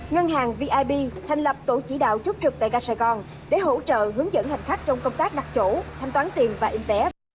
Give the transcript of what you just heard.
ngân hàng vip thành lập tổ chỉ đạo chốt trực tại gà sài gòn để hỗ trợ hướng dẫn hành khách trong công tác đặt chỗ thanh toán tiền và in vé